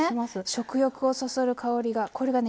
食欲をそそる香りがこれがね